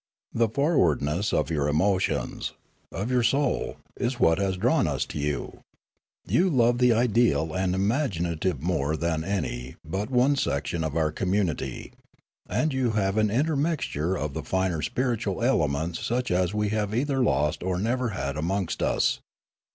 The forwardness of your emotions, of your soul, is what has drawn us to you; you love the ideal and imaginative more than any but one section of our community ; and you have an intermixture of the finer spiritual elements such as we have either lost or never had amongst us.